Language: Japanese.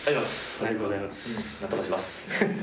ありがとうございます」